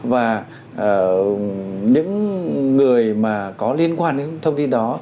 và những người mà có liên quan đến thông tin đó